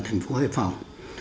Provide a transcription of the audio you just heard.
thành phố hải phòng